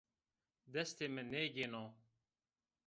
Destê mi nêgêno